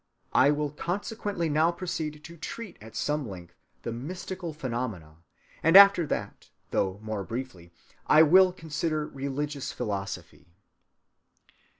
I will consequently now proceed to treat at some length of mystical phenomena, and after that, though more briefly, I will consider religious philosophy.